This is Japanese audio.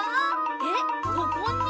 えっここに？